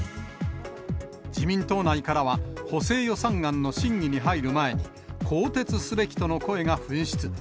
自民党内からは、補正予算案の審議に入る前に、更迭すべきとの声が噴出。